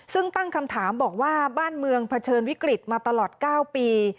ซึ่งตั้งคำถามบอกว่าบ้านเมืองเผชิญวิกฤตมาตลอด๙ปี